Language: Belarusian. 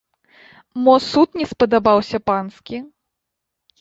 Мо суд не спадабаўся панскі?!